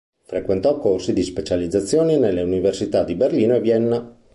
Frequentò corsi di specializzazione nelle Università di Berlino e Vienna.